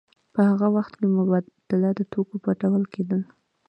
په هغه وخت کې مبادله د توکو په ډول کېدله